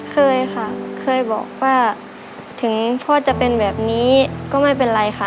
เคยค่ะเคยบอกว่าถึงพ่อจะเป็นแบบนี้ก็ไม่เป็นไรค่ะ